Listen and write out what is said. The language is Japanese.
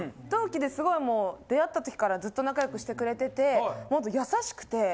同期ですごいもう出会った時からずっと仲良くしてくれててほんと優しくて。